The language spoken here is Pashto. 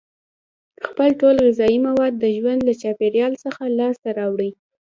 خپل ټول غذایي مواد د ژوند له چاپیریال څخه لاس ته راوړي.